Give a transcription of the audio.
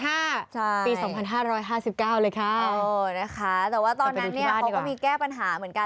ปี๒๕๕๙เลยค่ะนะคะแต่ว่าตอนนั้นเนี่ยเขาก็มีแก้ปัญหาเหมือนกัน